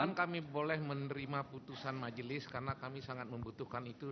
kan kami boleh menerima putusan majelis karena kami sangat membutuhkan itu